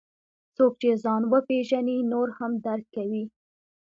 څوک چې ځان وپېژني، نور هم درک کوي.